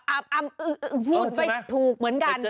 อาบอาบพูดไม่ถูกเหมือนกัน